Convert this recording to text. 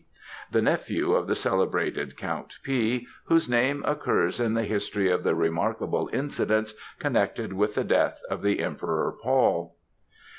the nephew of the celebrated Count P. whose name occurs in the history of the remarkable incidents connected with the death of the Emperor Paul.